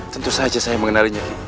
tentu saja saya mengenalinya